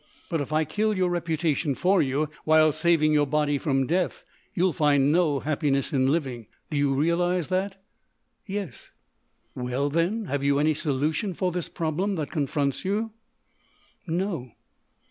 But if I kill your reputation for you while saving your body from death, you'll find no happiness in living. Do you realise that?" "Yes." "Well, then? Have you any solution for this problem that confronts you?" "No."